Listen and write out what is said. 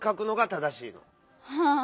はあ。